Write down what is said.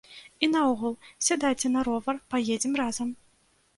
І наогул, сядайце на ровар, паедзем разам!